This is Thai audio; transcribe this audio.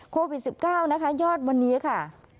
โควิด๑๙นะคะยอดวันนี้ค่ะ